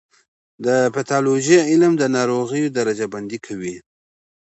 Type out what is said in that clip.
د پیتالوژي علم د ناروغیو درجه بندي کوي.